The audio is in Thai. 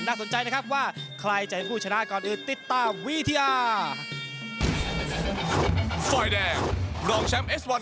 นักสนใจนะครับว่าใครจะเห็นคู่ชนะก่อนอื่น